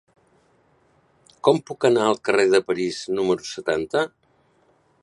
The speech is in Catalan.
Com puc anar al carrer de París número setanta?